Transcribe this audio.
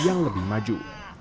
yang lebih maju